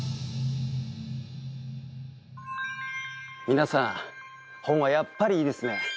皆さん本はやっぱりいいですね。